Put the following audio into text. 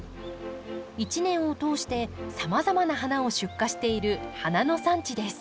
一年を通してさまざまな花を出荷している花の産地です。